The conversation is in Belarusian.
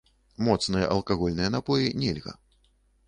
Моцныя алкагольныя напоі нельга.